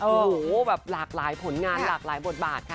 โอ้โหแบบหลากหลายผลงานหลากหลายบทบาทค่ะ